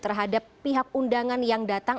terhadap pihak undangan yang datang